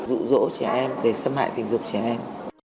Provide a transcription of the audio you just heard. dụ dỗ trẻ em để xâm hại tình dục trẻ em